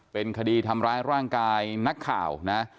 เป็นคดีทำร้ายร่างกายนักข่าวนะ